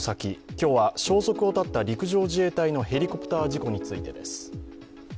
今日は消息を絶った陸上自衛隊のヘリコプター事故についてです。